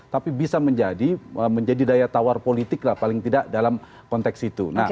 tapi bisa menjadi daya tawar politik lah paling tidak dalam konteks itu